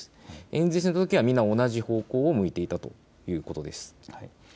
演説のときは皆、同じ方向を向いていたということです。